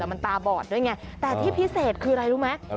มันตาบอดด้วยไงแต่ที่พิเศษคืออะไรรู้ไหม